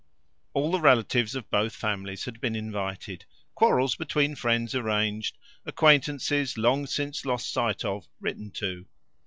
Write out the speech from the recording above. All the relatives of both families had been invited, quarrels between friends arranged, acquaintances long since lost sight of written to.